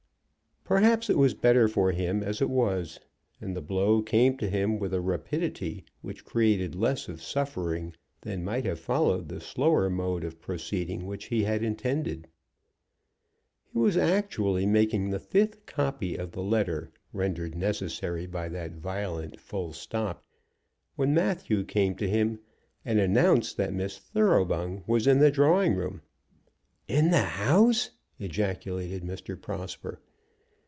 Perhaps it was better for him as it was; and the blow came to him with a rapidity which created less of suffering than might have followed the slower mode of proceeding which he had intended. He was actually making the fifth copy of the letter, rendered necessary by that violent full stop, when Matthew came to him and announced that Miss Thoroughbung was in the drawing room. "In the house!" ejaculated Mr. Prosper.